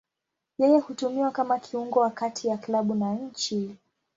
Yeye hutumiwa kama kiungo wa kati ya klabu na nchi.